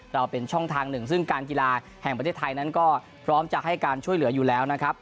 เราเป็นช่องทางหนึ่งซึ่งการกีฬาแห่งประเทศไทยนั้นก็พร้อมจะให้การช่วยเหลืออยู่แล้วนะครับ